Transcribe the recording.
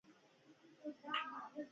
آزاد تجارت مهم دی ځکه چې نوښت ملاتړ کوي.